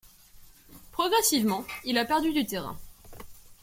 Progressivement, il a perdu du terrain.